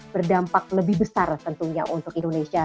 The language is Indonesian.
berdampak lebih besar tentunya untuk indonesia